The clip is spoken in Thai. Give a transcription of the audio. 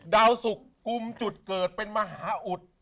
ดาวสุกกุมจุดเกิดเป็นมหาอุด